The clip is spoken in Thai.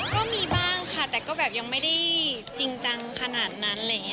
ก็มีบ้างค่ะแต่ก็แบบยังไม่ได้จริงจังขนาดนั้น